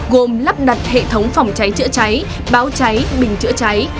gồm lắp đặt hệ thống phòng cháy chữa cháy báo cháy bình chữa cháy